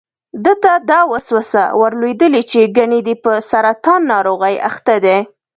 ده ته دا وسوسه ور لوېدلې چې ګني دی په سرطان ناروغۍ اخته دی.